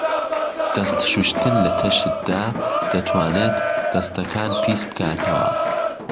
دەست شوشتن لە تەشتدا دەتوانێت دەستەکان پیسبکاتەوە.